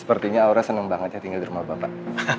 sepertinya aura senang banget ya tinggal di rumah bapak